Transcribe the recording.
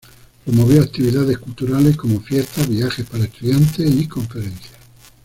Promovió actividades culturales como fiestas, viajes para estudiantes y conferencias.